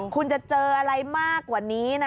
คุณจะเจออะไรมากกว่านี้นะ